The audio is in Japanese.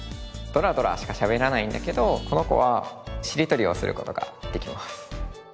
「ドラドラ」しかしゃべらないんだけどこの子はしりとりをする事ができます。